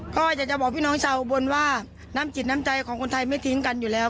ก็อยากจะบอกพี่น้องชาวอุบลว่าน้ำจิตน้ำใจของคนไทยไม่ทิ้งกันอยู่แล้ว